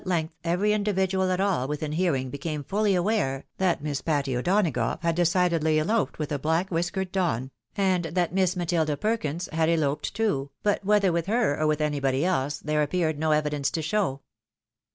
length every individual at aU within hearing became fdly aware, that Miss Patty O'Donagough had decidedly eloped with a black whiskered Don, and that Miss Matilda Perkins X 2 372 THE ■WIDOTV MAEKIED. had eloped too, but whether with her or with anybody else, there appeared no evidence to show.